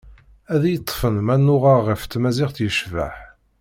Ad iyi-ṭfen ma nnuɣeɣ ɣef tmaziɣt yecbeḥ.